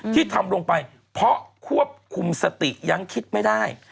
ที่ทำลงไปเพราะควบคุมสติยังคิดไม่ได้